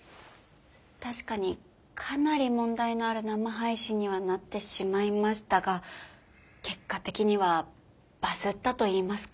確かにかなり問題のある生配信にはなってしまいましたが結果的にはバズったと言いますか。